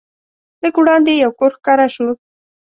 لږ وړاندې یو کور ښکاره شو.